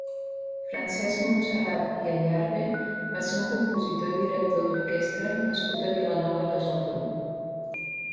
Francesc Montserrat i Ayarbe va ser un compositor i director d'orquestra nascut a Vilanova i la Geltrú.